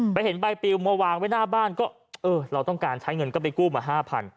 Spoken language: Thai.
เห็นใบปิวมาวางไว้หน้าบ้านก็เออเราต้องการใช้เงินก็ไปกู้มา๕๐๐